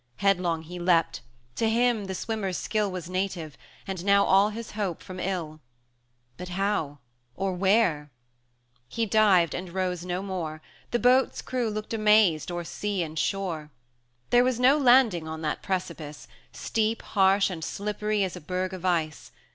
Headlong he leapt to him the swimmer's skill Was native, and now all his hope from ill: But how, or where? He dived, and rose no more; The boat's crew looked amazed o'er sea and shore. There was no landing on that precipice, Steep, harsh, and slippery as a berg of ice.